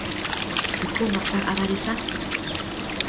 tu comptes leur faire avaler ça.